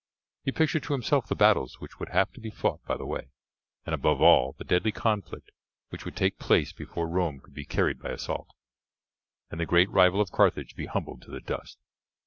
He pictured to himself the battles which would have to be fought by the way, and above all, the deadly conflict which would take place before Rome could be carried by assault, and the great rival of Carthage be humbled to the dust.